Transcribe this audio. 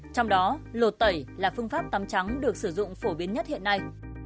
trong đó lột tẩy là phương pháp tắm trắng được sử dụng phổ biến nhất hiện nay